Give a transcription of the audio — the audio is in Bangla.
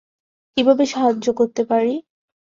কীভাবে সাহায্য করতে পারি?